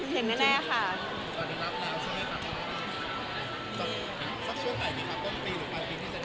เห็นแน่แน่ค่ะ